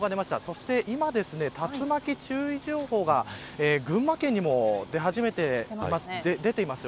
そして今、竜巻注意情報が群馬県にも出ています。